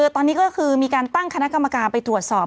ตอนนี้ก็คือมีการตั้งคณะกรรมการไปตรวจสอบ